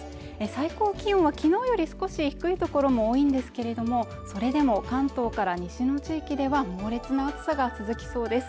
最高気温はきのうより少し低い所も多いんですけれどもそれでも関東から西の地域では猛烈な暑さが続きそうです